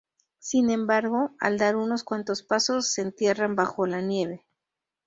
Sin embargo, al dar unos cuantos pasos se entierran bajo la nieve.